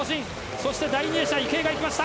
そして第２泳者、池江が行きました。